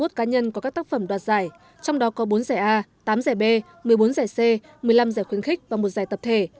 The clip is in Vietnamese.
hai mươi một cá nhân có các tác phẩm đoạt giải trong đó có bốn giải a tám giải b một mươi bốn giải c một mươi năm giải khuyến khích và một giải tập thể